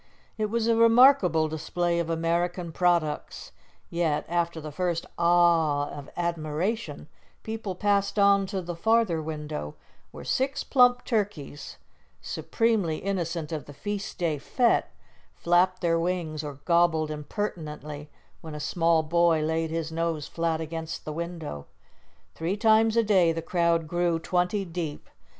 It was a remarkable display of American products; yet, after the first "Ah" of admiration, people passed on to the farther window, where six plump turkeys, supremely innocent of a feast day fête, flapped their wings or gobbled impertinently when a small boy laid his nose flat against the window. Three times a day the crowd grew twenty deep.